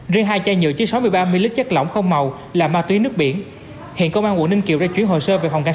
riêng hai chai nhựa chứa sáu mươi ba ml chất lỏng không màu là ma túy nước biển